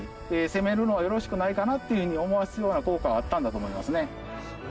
攻めるのはよろしくないかなっていう風に思わせるような効果があったんだと思いますね。